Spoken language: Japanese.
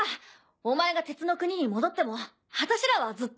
お前が鉄の国に戻っても私らはずっと。